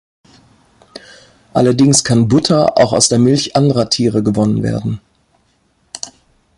Allerdings kann Butter auch aus der Milch anderer Tiere gewonnen werden.